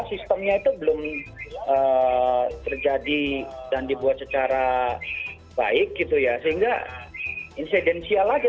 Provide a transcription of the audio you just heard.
sistemnya itu belum terjadi dan dibuat secara baik gitu ya sehingga insidensial aja